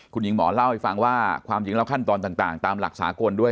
คุณหญิงหมอเล่าให้ฟังว่าความจริงแล้วขั้นตอนต่างตามหลักสากลด้วย